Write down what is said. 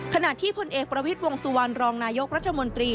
ขณะที่พลเอกประวิทย์วงสุวรรณรองนายกรัฐมนตรี